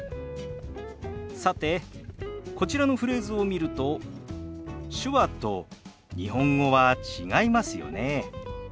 さてこちらのフレーズを見ると手話と日本語は違いますよね。